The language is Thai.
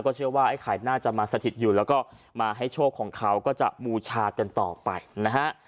เชื่อว่าไอ้ไข่น่าจะมาสถิตอยู่แล้วก็มาให้โชคของเขาก็จะบูชากันต่อไปนะฮะ